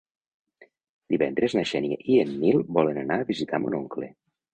Divendres na Xènia i en Nil volen anar a visitar mon oncle.